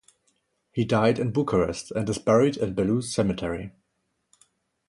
He died in Bucharest, and is buried in Bellu cemetery.